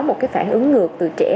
một cái phản ứng ngược từ trẻ